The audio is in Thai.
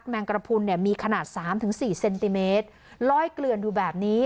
แมงกระพุนเนี่ยมีขนาดสามถึงสี่เซนติเมตรลอยเกลือนอยู่แบบนี้